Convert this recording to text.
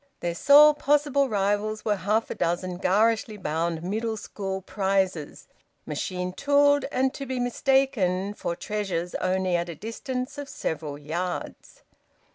Their sole possible rivals were half a dozen garishly bound Middle School prizes, machine tooled, and to be mistaken for treasures only at a distance of several yards.